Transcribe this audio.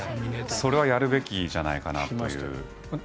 それはやるべきじゃないかなという。